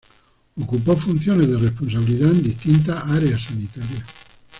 Ocupó funciones de responsabilidad en distintas áreas sanitarias.